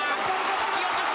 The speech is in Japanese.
突き落とし。